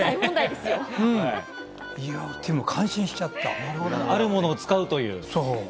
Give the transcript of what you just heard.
でも感心しちゃっあるものを使うという。